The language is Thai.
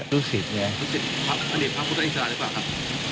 ลูกศิษย์พระเด็กพระพุทธอิสราหรือเปล่าครับ